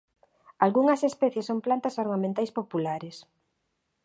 Algunhas especies son plantas ornamentais populares.